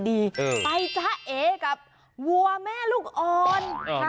ขับมอเตอร์ไซค์มาอยู่ดีไปจะเอกับวัวแม่ลูกอ่อน